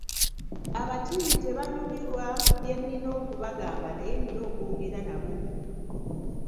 Abatiini tebanyumirwa bye nnina okubagamba naye nnina okwogera nabo.